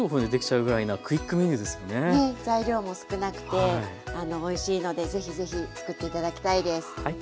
材料も少なくておいしいのでぜひぜひつくって頂きたいです。